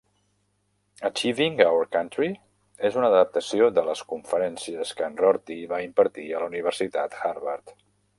"Achieving Our Country" és una adaptació de les conferències que en Rorty va impartir a la Universitat Harvard.